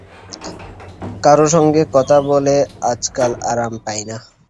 কারো সঙ্গে কথা বলে আজকাল আরাম পাই না।